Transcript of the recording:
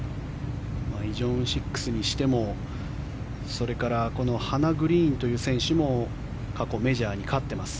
イ・ジョンウン６にしてもそれからハナ・グリーンという選手も過去メジャーに勝っています。